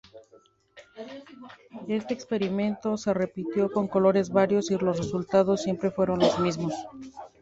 Este experimento se repitió con colores varios y los resultados siempre fueron los mismos.